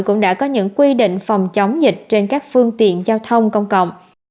cũng đã có những quy định phòng chống dịch trên các phương tiện giao thông công cộng